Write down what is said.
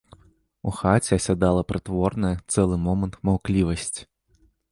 У хаце асядала прытворная, цэлы момант, маўклівасць.